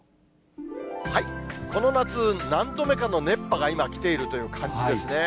この夏、何度目かの熱波が今来ているという感じですね。